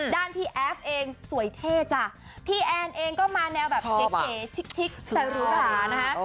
พี่แอฟเองสวยเท่จ้ะพี่แอนเองก็มาแนวแบบเก๋ชิกแต่หรูหรานะฮะ